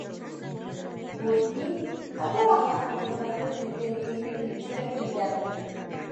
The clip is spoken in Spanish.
Burstyn ha trabajado constantemente en cine, televisión y teatro.